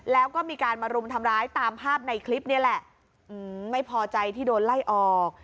แล้วก็มีการมารุมทำร้ายตามภาพในคลิปนี่แหละไม่พอใจที่โดนไล่ออก